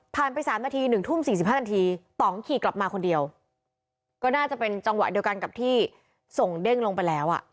ผ่านไป๓น๐๑๔๐นตองขี่กลับมาคนเดียวก็น่าจะเป็นจังหวะเดียวกันกับที่ส่งเด้งลงไปแล้ว